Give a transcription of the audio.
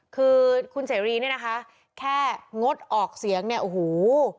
คือคุณเสรีเนี่ยนะคะแค่งดออกเสียงเนี่ยโอ้โห